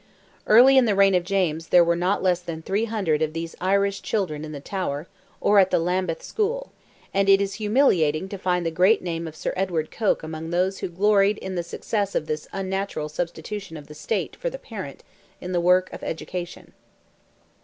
Early in the reign of James there were not less than 300 of these Irish children in the Tower, or at the Lambeth School,—and it is humiliating to find the great name of Sir Edward Coke among those who gloried in the success of this unnatural substitution of the State for the Parent in the work of education.